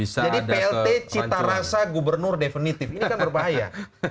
jadi plt citarasa gubernur definitif ini kan berbahaya